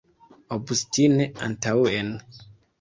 Obstine antaŭen!